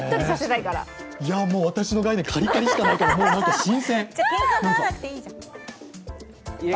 いやもう、私の概念カリカリしかないから、新鮮！